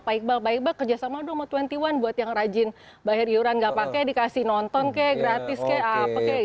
baik banget baik banget kerjasama udah sama dua puluh satu buat yang rajin bayar iuran nggak pakai dikasih nonton kek gratis kek apa kek gitu